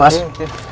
bangun susu goreng